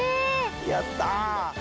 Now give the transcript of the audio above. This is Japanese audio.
やった！